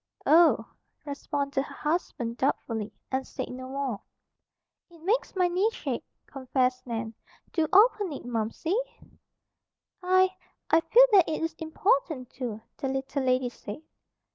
"Oh!" responded her husband doubtfully, and said no more. "It makes my knees shake," confessed Nan. "Do open it, Momsey!" "I, I feel that it is important, too," the little lady said.